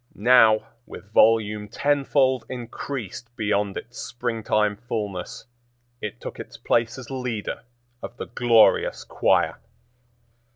Now, with volume tenfold increased beyond its springtime fullness, it took its place as leader of the glorious choir.